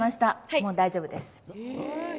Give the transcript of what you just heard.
もう大丈夫です。